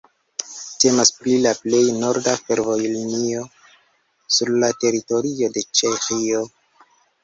Temas pri la plej norda fervojlinio sur la teritorio de Ĉeĥio.